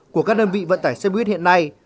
của các đơn vị vận tải xe buýt hiện nay